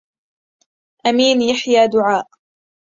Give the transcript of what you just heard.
أمين يحيى دعاء